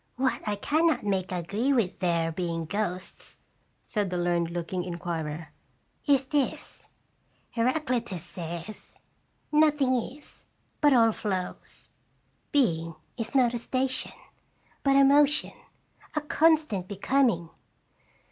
" What I can not make agree with there being ghosts," said the learned looking in quirer, "is this: Heraclitus says, 'Nothing is, but all flows; being is not a station, but a motion, a constant becoming.'